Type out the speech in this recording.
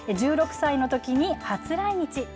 １６歳のときに初来日。